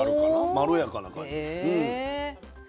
まろやかな感じ。